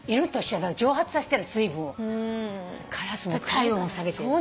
体温を下げて。